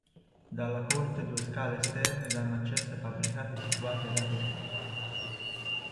Dalla corte due scale esterne danno accesso ai fabbricati situati ai lati opposti.